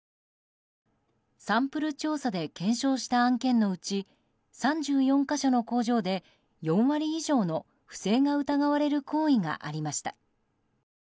サンプル調査で検証した案件のうち３４か所の工場で４割以上の不正が疑われる行為がありました。